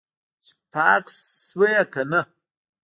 چې پاک شوی که نه.